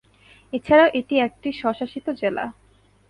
এছাড়াও এটি একটি স্বশাসিত জেলা।